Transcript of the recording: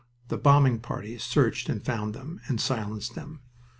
The bombing parties searched and found them, and silenced them.